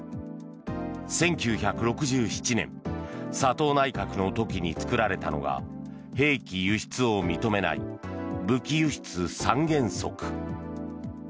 １９６７年佐藤内閣の時に作られたのが兵器輸出を認めない武器輸出三原則。